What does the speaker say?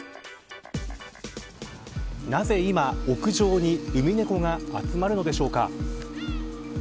なぜ今、屋上にウミネコが集まるのでしょうか。